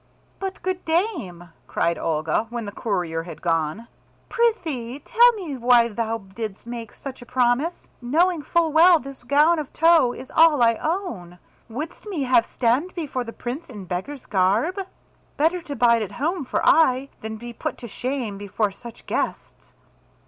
"But, good dame," cried Olga, when the courier had gone, "prithee tell me why thou didst make such a promise, knowing full well this gown of tow is all I own. Wouldst have me stand before the Prince in beggar's garb? Better to bide at home for aye than be put to shame before such guests."